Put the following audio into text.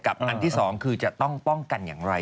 อันที่๒คือจะต้องป้องกันอย่างไร